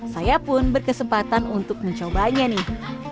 saya pun berkesempatan untuk mencobanya nih